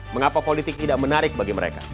mengapa politik tidak menarik bagi mereka